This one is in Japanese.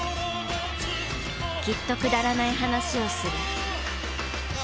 きっとくだらない話をする。